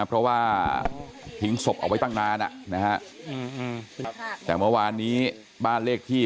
เพราะว่าทิ้งศพเอาไว้ตั้งนานแต่เมื่อวานนี้บ้านเลขที่